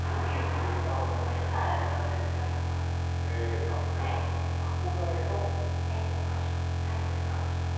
さあそれでは憧れのお菓子それは何でした？